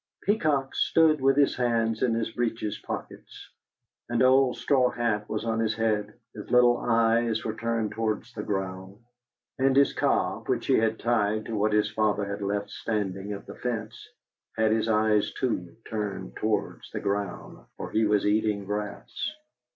Peacock stood with his hands in his breeches' pockets. An old straw hat was on his head, his little eyes were turned towards the ground; and his cob, which he had tied to what his father had left standing of the fence, had his eyes, too, turned towards the ground, for he was eating grass.